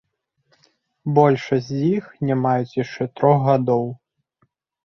Большасць з іх не маюць яшчэ трох гадоў.